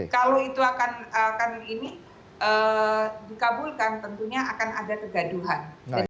kalau itu akan dikabulkan tentunya akan ada kegaduhan